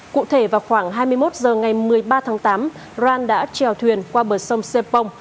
cụ thể vào khoảng hai mươi một h ngày một mươi ba tháng tám ron đã trèo thuyền qua bờ sông sepong